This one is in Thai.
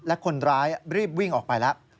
และคนร้ายรีบวิ่งออกไปแล้ว